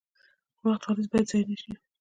وخت ولې باید ضایع نشي؟